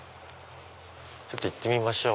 ちょっと行ってみましょう。